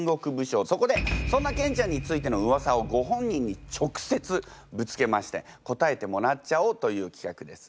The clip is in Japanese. そこでそんなケンちゃんについてのウワサをご本人にちょくせつぶつけまして答えてもらっちゃおうというきかくです。